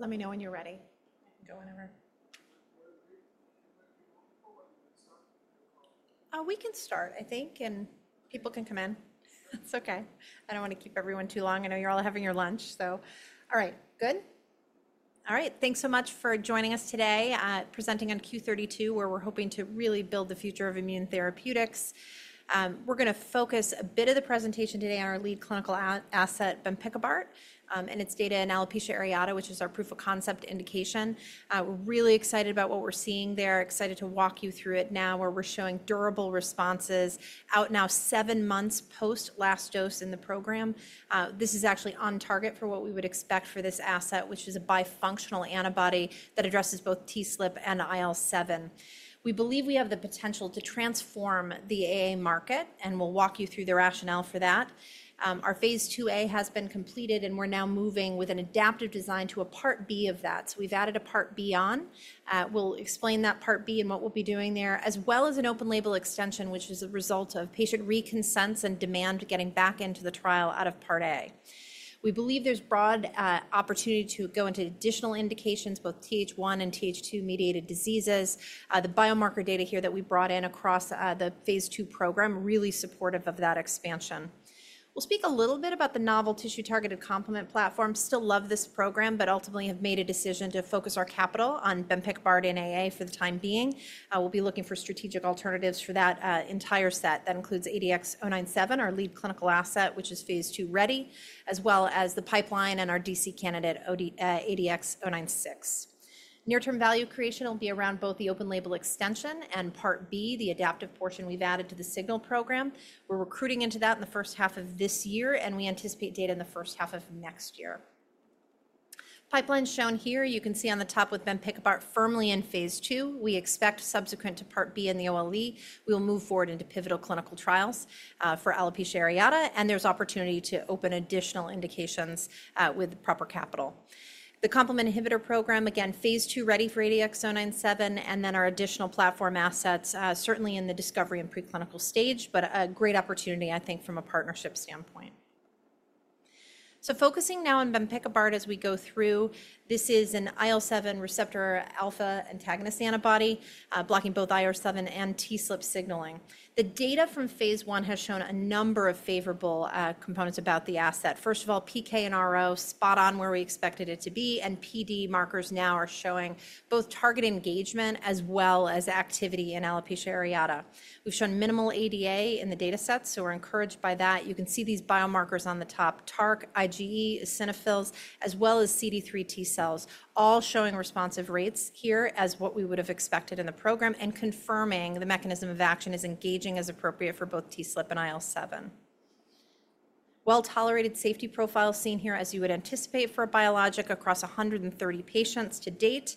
Let me know when you're ready. Go on over. We can start, I think, and people can come in. It's okay. I don't want to keep everyone too long. I know you're all having your lunch, so. All right. Good? All right. Thanks so much for joining us today at presenting on Q32 Bio, where we're hoping to really build the future of immune therapeutics. We're going to focus a bit of the presentation today on our lead clinical asset, bempikibart, and its data in alopecia areata, which is our proof of concept indication. We're really excited about what we're seeing there, excited to walk you through it now, where we're showing durable responses out now seven months post last dose in the program. This is actually on target for what we would expect for this asset, which is a bifunctional antibody that addresses both TSLP and IL-7. We believe we have the potential to transform the AA market, and we'll walk you through the rationale for that. Our Phase 2a has been completed, and we're now moving with an adaptive design to a Part B of that. We have added a Part B on. We'll explain that Part B and what we'll be doing there, as well as an open-label extension, which is a result of patient reconsents and demand getting back into the trial out of Part A. We believe there's broad opportunity to go into additional indications, both Th1 and Th2 mediated diseases. The biomarker data here that we brought in across the Phase 2 program really supports that expansion. We'll speak a little bit about the novel tissue targeted complement platform. Still love this program, but ultimately have made a decision to focus our capital on bempikibart and AA for the time being. We'll be looking for strategic alternatives for that entire set. That includes ADX097, our lead clinical asset, which is Phase 2 ready, as well as the pipeline and our DC candidate, ADX096. Near-term value creation will be around both the open-label extension and Part B, the adaptive portion we've added to the SIGNAL program. We're recruiting into that in the first half of this year, and we anticipate data in the first half of next year. Pipeline shown here, you can see on the top with bempikibart firmly in Phase 2. We expect subsequent to Part B in the OLE, we will move forward into pivotal clinical trials for alopecia areata, and there's opportunity to open additional indications with proper capital. The complement inhibitor program, again, Phase 2 ready for ADX097, and then our additional platform assets, certainly in the discovery and preclinical stage, but a great opportunity, I think, from a partnership standpoint. Focusing now on bempikibart as we go through, this is an IL-7 receptor alpha antagonist antibody blocking both IL-7 and TSLP signaling. The data from Phase 1 has shown a number of favorable components about the asset. First of all, PK and RO spot on where we expected it to be, and PD markers now are showing both target engagement as well as activity in alopecia areata. We've shown minimal ADA in the data set, so we're encouraged by that. You can see these biomarkers on the top: TARC, IgE, eosinophils, as well as CD3 T-cells, all showing responsive rates here as what we would have expected in the program and confirming the mechanism of action is engaging as appropriate for both TSLP and IL-7. A well-tolerated safety profile is seen here, as you would anticipate for a biologic across 130 patients to date,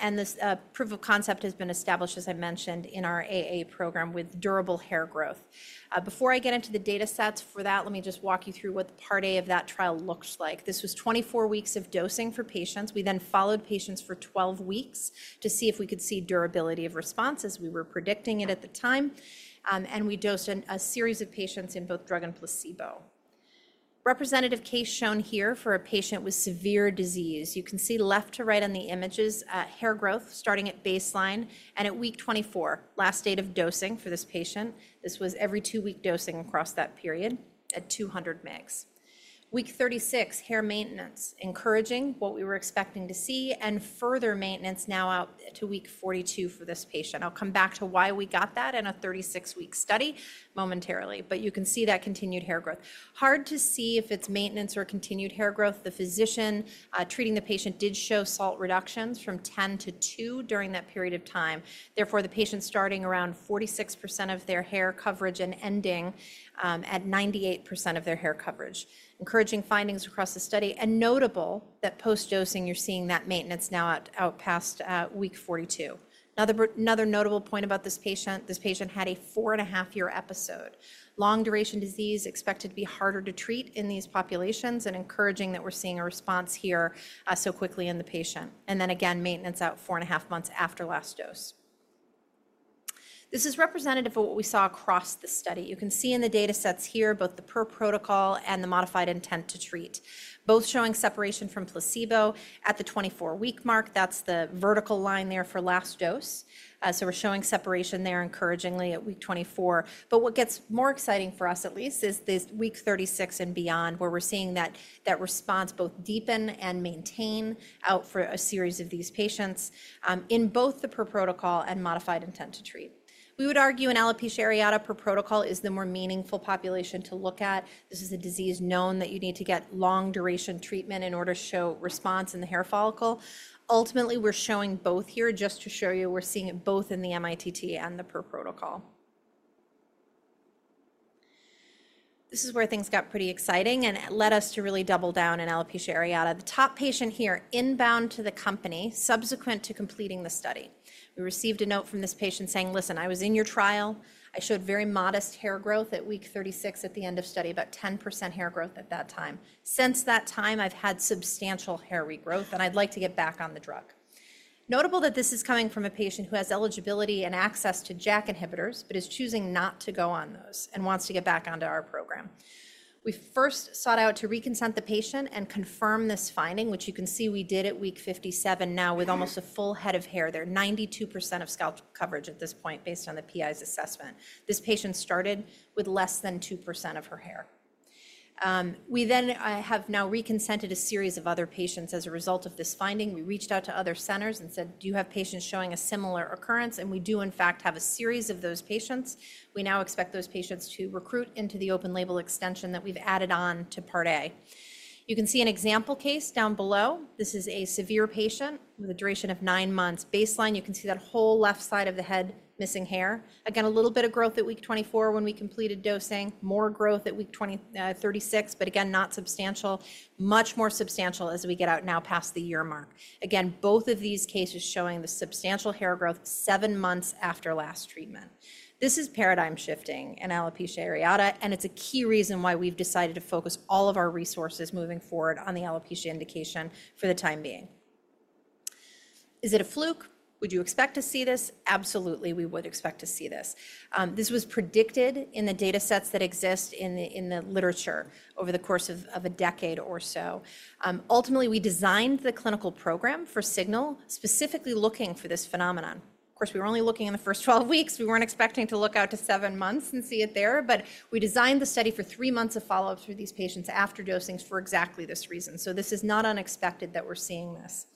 and this proof of concept has been established, as I mentioned, in our AA program with durable hair growth. Before I get into the data sets for that, let me just walk you through what Part A of that trial looks like. This was 24 weeks of dosing for patients. We then followed patients for 12 weeks to see if we could see durability of response as we were predicting it at the time, and we dosed a series of patients in both drug and placebo. Representative case shown here for a patient with severe disease. You can see left to right on the images hair growth starting at baseline and at week 24, last date of dosing for this patient. This was every two-week dosing across that period at 200 mg. Week 36, hair maintenance, encouraging what we were expecting to see and further maintenance now out to week 42 for this patient. I'll come back to why we got that in a 36-week study momentarily, but you can see that continued hair growth. Hard to see if it's maintenance or continued hair growth. The physician treating the patient did show SALT reductions from 10 to 2 during that period of time. Therefore, the patient starting around 46% of their hair coverage and ending at 98% of their hair coverage. Encouraging findings across the study and notable that post-dosing you're seeing that maintenance now out past week 42. Another notable point about this patient, this patient had a four-and-a-half-year episode. Long-duration disease expected to be harder to treat in these populations and encouraging that we're seeing a response here so quickly in the patient. Then again, maintenance out four-and-a-half months after last dose. This is representative of what we saw across the study. You can see in the data sets here both the per protocol and the modified intent to treat, both showing separation from placebo at the 24-week mark. That's the vertical line there for last dose. We're showing separation there encouragingly at week 24. What gets more exciting for us, at least, is this week 36 and beyond where we're seeing that response both deepen and maintain out for a series of these patients in both the per protocol and modified intent to treat. We would argue in alopecia areata, per protocol is the more meaningful population to look at. This is a disease known that you need to get long-duration treatment in order to show response in the hair follicle. Ultimately, we're showing both here just to show you we're seeing it both in the MITT and the per protocol. This is where things got pretty exciting and led us to really double down in alopecia areata. The top patient here inbound to the company, subsequent to completing the study. We received a note from this patient saying, "Listen, I was in your trial. I showed very modest hair growth at week 36 at the end of study, about 10% hair growth at that time. Since that time, I've had substantial hair regrowth, and I'd like to get back on the drug. Notable that this is coming from a patient who has eligibility and access to JAK inhibitors but is choosing not to go on those and wants to get back onto our program. We first sought out to reconsent the patient and confirm this finding, which you can see we did at week 57 now with almost a full head of hair. They're 92% of scalp coverage at this point based on the PI's assessment. This patient started with less than 2% of her hair. We then have now reconsented a series of other patients as a result of this finding. We reached out to other centers and said, "Do you have patients showing a similar occurrence?" We do, in fact, have a series of those patients. We now expect those patients to recruit into the open-label extension that we've added on to Part A. You can see an example case down below. This is a severe patient with a duration of nine months. Baseline, you can see that whole left side of the head missing hair. Again, a little bit of growth at week 24 when we completed dosing, more growth at week 36, but again, not substantial, much more substantial as we get out now past the year mark. Again, both of these cases showing the substantial hair growth seven months after last treatment. This is paradigm shifting in alopecia areata, and it's a key reason why we've decided to focus all of our resources moving forward on the alopecia indication for the time being. Is it a fluke? Would you expect to see this? Absolutely, we would expect to see this. This was predicted in the data sets that exist in the literature over the course of a decade or so. Ultimately, we designed the clinical program for SIGNAL specifically looking for this phenomenon. Of course, we were only looking in the first 12 weeks. We weren't expecting to look out to seven months and see it there, but we designed the study for three months of follow-ups for these patients after dosings for exactly this reason. This is not unexpected that we're seeing this.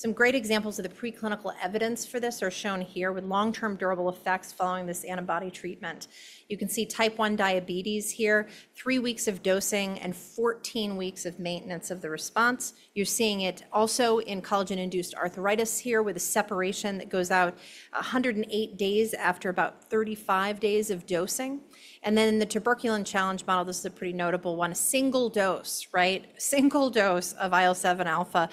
Some great examples of the preclinical evidence for this are shown here with long-term durable effects following this antibody treatment. You can see type 1 diabetes here, three weeks of dosing and 14 weeks of maintenance of the response. You're seeing it also in collagen-induced arthritis here with a separation that goes out 108 days after about 35 days of dosing. In the tuberculin challenge model, this is a pretty notable one. A single dose, right? Single dose of IL-7 alpha,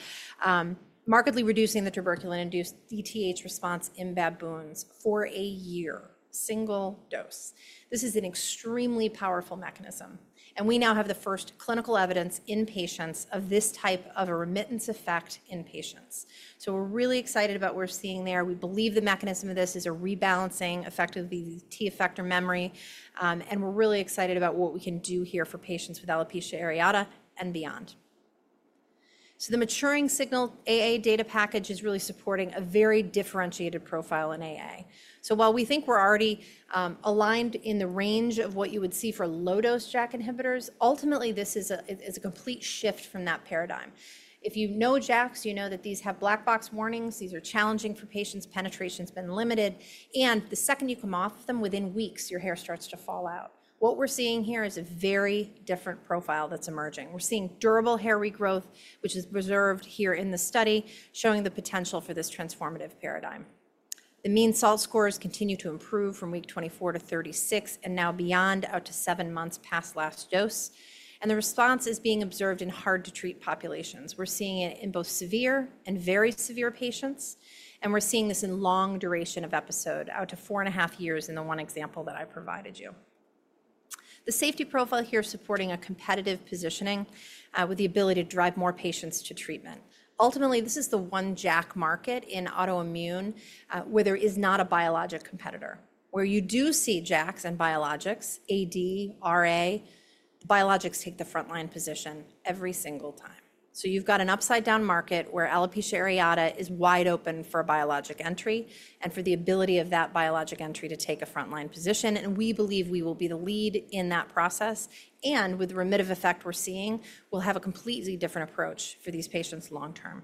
markedly reducing the tuberculin-induced DTH response in baboons for a year. Single dose. This is an extremely powerful mechanism. We now have the first clinical evidence in patients of this type of a remittance effect in patients. We are really excited about what we're seeing there. We believe the mechanism of this is a rebalancing effect of the T effector memory, and we're really excited about what we can do here for patients with alopecia areata and beyond. The maturing SIGNAL-AA data package is really supporting a very differentiated profile in AA. While we think we're already aligned in the range of what you would see for low-dose JAK inhibitors, ultimately this is a complete shift from that paradigm. If you know JAKs, you know that these have black box warnings. These are challenging for patients. Penetration has been limited. The second you come off of them, within weeks, your hair starts to fall out. What we're seeing here is a very different profile that's emerging. We're seeing durable hair regrowth, which is preserved here in the study showing the potential for this transformative paradigm. The mean SALT scores continue to improve from week 24 to 36 and now beyond out to seven months past last dose. The response is being observed in hard-to-treat populations. We're seeing it in both severe and very severe patients, and we're seeing this in long duration of episode out to four and a half years in the one example that I provided you. The safety profile here is supporting a competitive positioning with the ability to drive more patients to treatment. Ultimately, this is the one JAK market in autoimmune where there is not a biologic competitor. Where you do see JAKs and biologics, AD, RA, biologics take the frontline position every single time. You have an upside-down market where alopecia areata is wide open for biologic entry and for the ability of that biologic entry to take a frontline position. We believe we will be the lead in that process. With the remission effect we're seeing, we'll have a completely different approach for these patients long-term.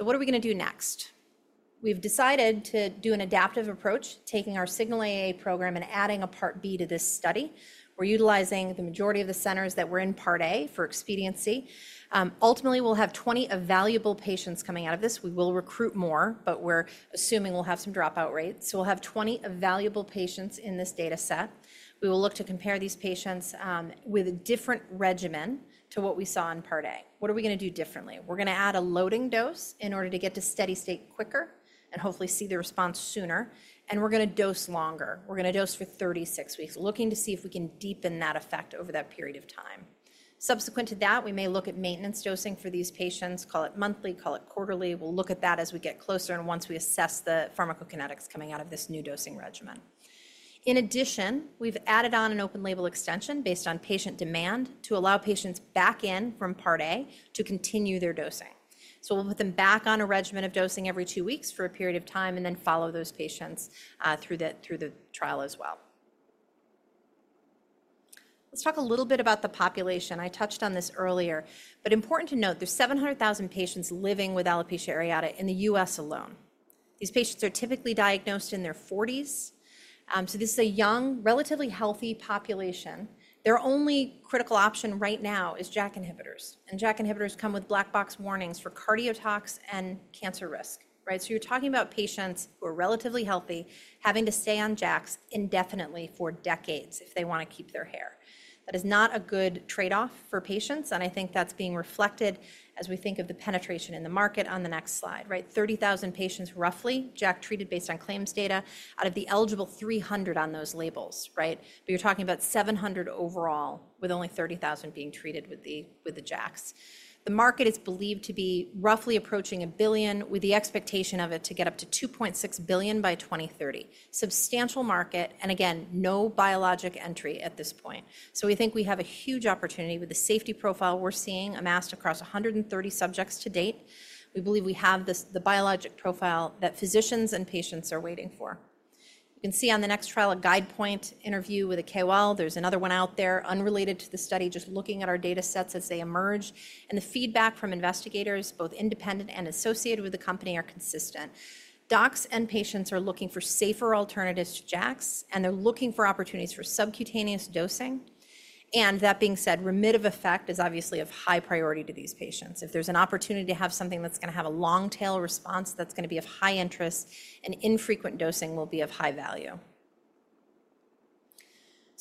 What are we going to do next? We've decided to do an adaptive approach, taking our SIGNAL-AA program and adding a Part B to this study. We're utilizing the majority of the centers that were in Part A for expediency. Ultimately, we'll have 20 evaluable patients coming out of this. We will recruit more, but we're assuming we'll have some dropout rates. We'll have 20 evaluable patients in this data set. We will look to compare these patients with a different regimen to what we saw in Part A. What are we going to do differently? We're going to add a loading dose in order to get to steady state quicker and hopefully see the response sooner. We're going to dose longer. We're going to dose for 36 weeks, looking to see if we can deepen that effect over that period of time. Subsequent to that, we may look at maintenance dosing for these patients, call it monthly, call it quarterly. We'll look at that as we get closer and once we assess the pharmacokinetics coming out of this new dosing regimen. In addition, we've added on an open-label extension based on patient demand to allow patients back in from Part A to continue their dosing. We'll put them back on a regimen of dosing every two weeks for a period of time and then follow those patients through the trial as well. Let's talk a little bit about the population. I touched on this earlier, but important to note, there's 700,000 patients living with alopecia areata in the U.S. alone. These patients are typically diagnosed in their 40s. This is a young, relatively healthy population. Their only critical option right now is JAK inhibitors. JAK inhibitors come with black box warnings for cardiotox and cancer risk, right? You are talking about patients who are relatively healthy having to stay on JAKs indefinitely for decades if they want to keep their hair. That is not a good trade-off for patients, and I think that is being reflected as we think of the penetration in the market on the next slide, right? 30,000 patients roughly JAK-treated based on claims data out of the eligible 300,000 on those labels, right? You are talking about 700,000 overall with only 30,000 being treated with the JAKs. The market is believed to be roughly approaching $1 billion with the expectation of it to get up to $2.6 billion by 2030. Substantial market and again, no biologic entry at this point. We think we have a huge opportunity with the safety profile we're seeing amassed across 130 subjects to date. We believe we have the biologic profile that physicians and patients are waiting for. You can see on the next trial a Guidepoint interview with a KOL. There's another one out there unrelated to the study just looking at our data sets as they emerge. The feedback from investigators, both independent and associated with the company, are consistent. Docs and patients are looking for safer alternatives to JAKs, and they're looking for opportunities for subcutaneous dosing. That being said, remittive effect is obviously of high priority to these patients. If there's an opportunity to have something that's going to have a long-tail response that's going to be of high interest, an infrequent dosing will be of high value.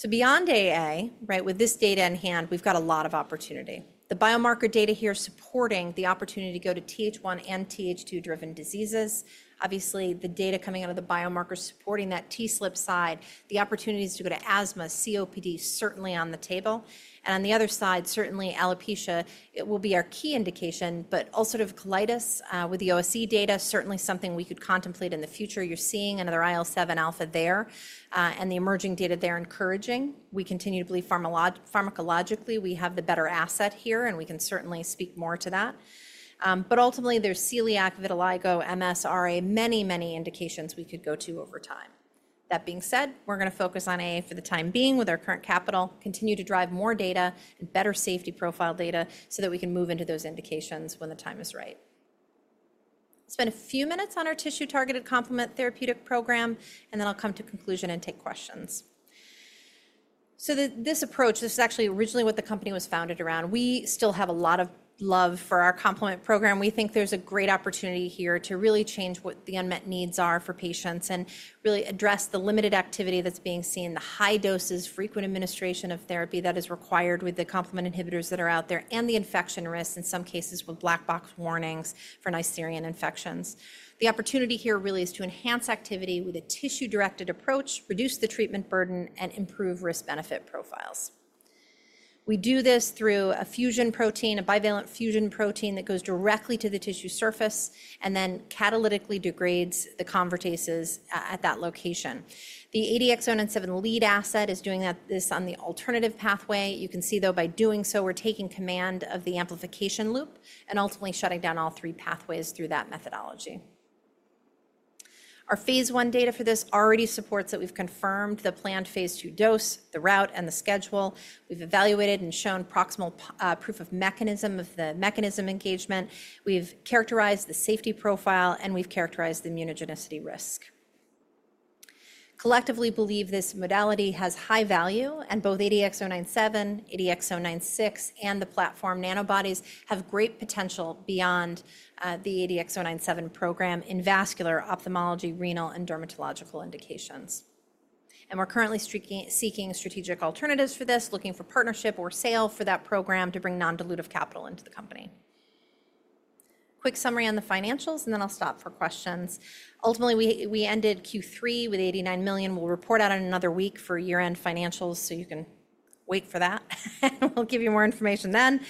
Beyond AA, right, with this data in hand, we've got a lot of opportunity. The biomarker data here supporting the opportunity to go to Th1 and Th2-driven diseases. Obviously, the data coming out of the biomarker supporting that TSLP side, the opportunities to go to asthma, COPD certainly on the table. On the other side, certainly alopecia will be our key indication, but ulcerative colitis with the OSE data certainly something we could contemplate in the future. You're seeing another IL-7 alpha there. The emerging data there encouraging. We continue to believe pharmacologically we have the better asset here, and we can certainly speak more to that. Ultimately, there's celiac, vitiligo, MS, RA, many, many indications we could go to over time. That being said, we're going to focus on AA for the time being with our current capital, continue to drive more data and better safety profile data so that we can move into those indications when the time is right. Spend a few minutes on our tissue-targeted complement therapeutic program, and then I'll come to conclusion and take questions. This approach, this is actually originally what the company was founded around. We still have a lot of love for our complement program. We think there's a great opportunity here to really change what the unmet needs are for patients and really address the limited activity that's being seen, the high doses, frequent administration of therapy that is required with the complement inhibitors that are out there, and the infection risk in some cases with black box warnings for Neisseria infections. The opportunity here really is to enhance activity with a tissue-directed approach, reduce the treatment burden, and improve risk-benefit profiles. We do this through a fusion protein, a bivalent fusion protein that goes directly to the tissue surface and then catalytically degrades the convertases at that location. The ADX097 lead asset is doing this on the alternative pathway. You can see though by doing so, we're taking command of the amplification loop and ultimately shutting down all three pathways through that methodology. Our Phase 1 data for this already supports that we've confirmed the planned Phase 2 dose, the route, and the schedule. We've evaluated and shown proximal proof of mechanism of the mechanism engagement. We've characterized the safety profile, and we've characterized the immunogenicity risk. Collectively believe this modality has high value, and both ADX097, ADX096, and the platform nanobodies have great potential beyond the ADX097 program in vascular, ophthalmology, renal, and dermatological indications. We are currently seeking strategic alternatives for this, looking for partnership or sale for that program to bring non-dilutive capital into the company. Quick summary on the financials, and then I'll stop for questions. Ultimately, we ended Q3 with $89 million. We will report out in another week for year-end financials, so you can wait for that. We will give you more information then.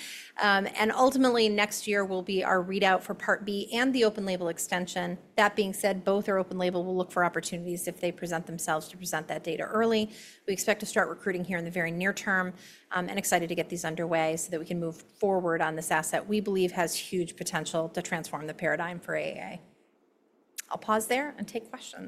Ultimately, next year will be our readout for Part B and the open-label extension. That being said, both are open label. We will look for opportunities if they present themselves to present that data early. We expect to start recruiting here in the very near term and excited to get these underway so that we can move forward on this asset we believe has huge potential to transform the paradigm for AA. I'll pause there and take questions.